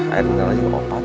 airnya lagi opat